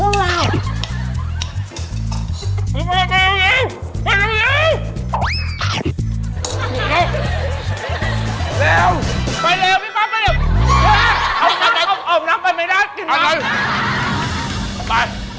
เอาใจอ่อมน้ำไปไม่ได้กินมาก